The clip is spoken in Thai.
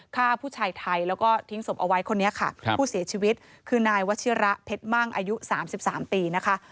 ฆ่าผู้ชายไทยแล้วก็ทิ้งศพเอาไว้คนนี้ค่ะผู้เสียชีวิตคือนายวัชิระเพชรมั่งอายุ๓๓ปีนะคะ